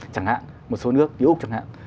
chẳng hạn một số nước như úc chẳng hạn